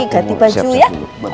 ganti baju ya